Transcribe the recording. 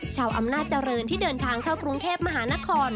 ชาวอำนาจเจริญที่เดินทางเข้ากรุงเทพมหานคร